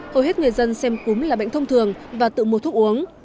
hầu hết người dân xem cúm là bệnh thông thường và tự mua thuốc uống